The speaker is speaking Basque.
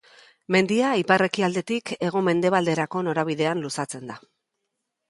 Mendia ipar-ekialdetik hego-mendebalderako norabidean luzatzen da.